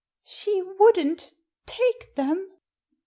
" She wouldn't take them